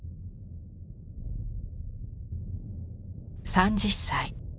３０歳。